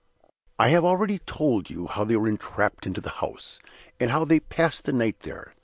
I have already told you how they were entrapped into the house, and how they passed the night there.